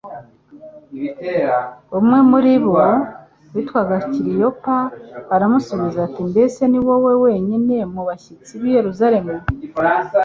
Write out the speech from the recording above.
Umwe muri bo witwaga Kiliyopa aramusubiza ati: Mbese ni wowe wenyine mu bashyitsi b' i Yerusalemu